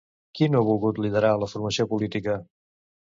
Qui no ha volgut liderar la formació política?